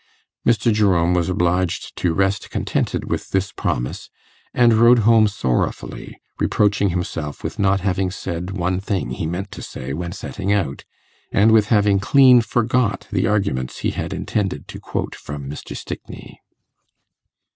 Mr. Jerome was obliged to rest contented with this promise, and rode home sorrowfully, reproaching himself with not having said one thing he meant to say when setting out, and with having 'clean forgot' the arguments he had intended to quote from Mr. Stickney.